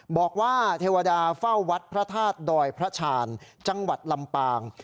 บอกว่าเทวดาเฝ้าวัดพระธาตุดอยพระชาญจังหวัดลำปาง